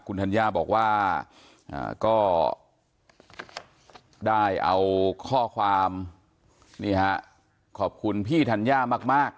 คุณธัญญาบอกว่าก็ได้เอาข้อความนี่ฮะขอบคุณพี่ธัญญามาก